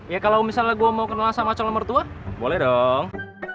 ya kalau misalnya gua mau kenalan sama cowok nomor dua boleh dong